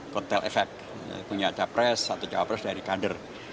pertel efek punya capres atau capres dari kader